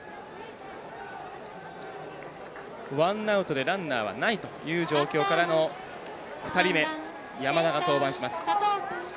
ワンアウトでランナーはないという状況からの２人目、山田が登板します。